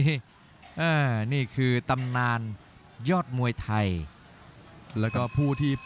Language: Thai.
รับทราบบรรดาศักดิ์